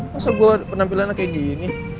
masa gue penampilannya kayak gini